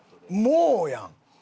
もうやん！